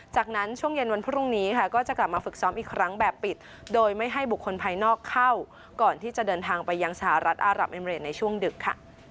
จากนั้นช่วงเย็นวันพรุ่งนี้ค่ะก็จะกลับมาฝึกซ้อมอีกครั้งแบบปิดโดยไม่ให้บุคคลภายนอกเข้าก่อนที่จะเดินทางไปยังสหรัฐอารับเอเมริดในช่วงดึกค่ะ